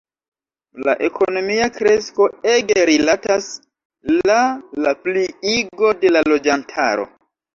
La ekonomia kresko ege rilatas la la pliigo de la loĝantaro.